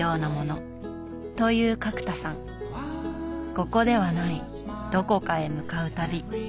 ここではないどこかへ向かう旅。